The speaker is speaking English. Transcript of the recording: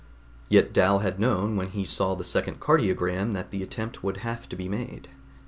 Yet Dal had known when he saw the second cardiogram that the attempt would have to be made.